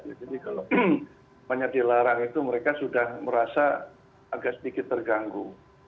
jadi kalau banyak dilarang itu mereka sudah merasa agak sedikit terganggu